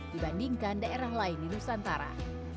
dibandingkan daerah lain di nusantara